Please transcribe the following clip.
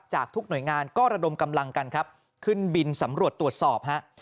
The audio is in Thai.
ทุกหน่วยงานก็ระดมกำลังกันครับขึ้นบินสำรวจตรวจสอบฮะ